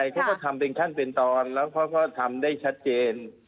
เขาก็ทำเป็นขั้นเป็นตอนแล้วเขาก็ทำได้ชัดเจน